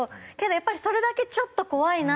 やっぱりそれだけちょっと怖いなって思ってて。